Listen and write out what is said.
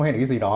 hay là cái gì đó